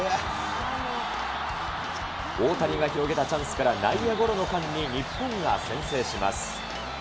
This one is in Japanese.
大谷が広げたチャンスから、内野ゴロの間に日本が先制します。